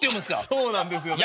そうなんですよね。